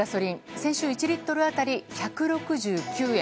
先週、１リットル当たり１６９円。